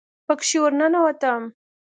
پکښې ورننوتم.